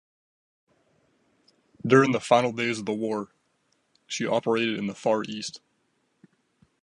During the final days of the war, she operated in the Far East.